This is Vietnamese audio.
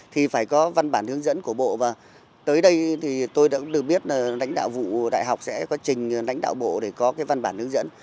thì phải có văn bản hướng dẫn của bộ và tới đây thì tôi đã được biết là lãnh đạo vụ đại học sẽ có trình lãnh đạo bộ để có cái văn bản hướng dẫn